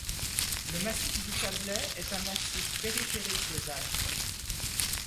Le massif du Chablais est un massif périphérique des Alpes.